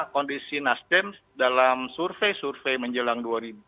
kondisi nasdem dalam survei survei menjelang dua ribu dua puluh